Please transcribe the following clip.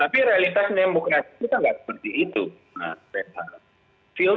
tapi realitas demokrasi kita tidak seperti itu